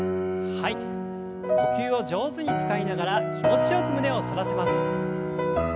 呼吸を上手に使いながら気持ちよく胸を反らせます。